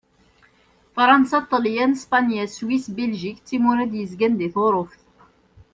Fṛansa, Ṭelyan, Spanya, Swis, Biljik d timura i d-yerzan di Turuft.